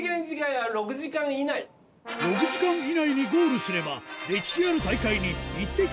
６時間以内にゴールすれば、歴史ある大会にイッテＱ！